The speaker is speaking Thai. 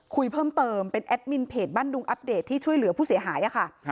คุยเพิ่มเติมเป็นแอดมินเพจบ้านดุงอัปเดตที่ช่วยเหลือผู้เสียหายค่ะ